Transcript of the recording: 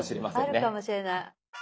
あるかもしれない。